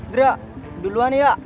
dura duluan ya